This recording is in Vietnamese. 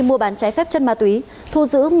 mua bán trái phép chất ma túy thu giữ